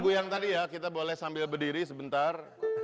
bu yang tadi ya kita boleh sambil berdiri sebentar